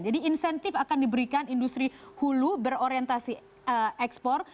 jadi insentif akan diberikan industri hulu berorientasi ekspor